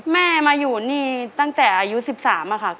แม่มาอยู่นี่ตั้งแต่อายุ๑๓อะค่ะ